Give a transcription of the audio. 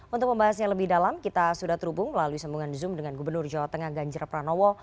untuk membahasnya lebih dalam kita sudah terhubung melalui sambungan zoom dengan gubernur jawa tengah ganjar pranowo